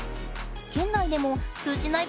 県内でも通じない